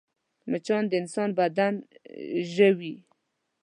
مچان د انسان بدن ژوي